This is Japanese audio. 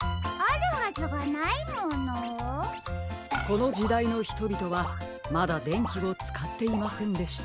このじだいのひとびとはまだでんきをつかっていませんでした。